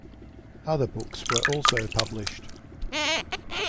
Other books were also published.